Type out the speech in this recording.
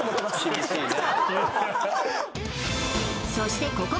厳しいね